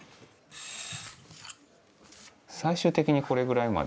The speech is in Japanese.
最終的にこれぐらいまで細く。